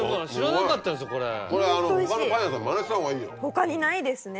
他にないですね。